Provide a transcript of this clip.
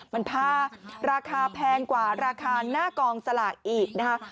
มันผ้าราคาแพงกว่าราคาหน้ากองสลากอีกนะคะ